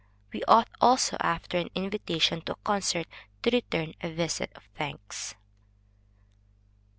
We ought also after an invitation to a concert, to return a visit of thanks.